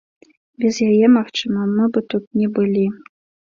Без яе, магчыма, мы бы тут не былі.